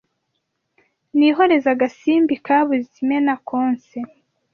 Nihoreze agasimbi Kabuze imena konse